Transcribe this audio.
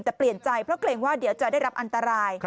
แต่เปลี่ยนใจเพราะเกรงว่าเดี๋ยวจะได้รับอันตราย